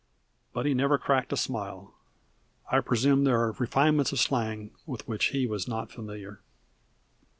But he never cracked a smile. I presume there were refinements of slang with which he was not familiar.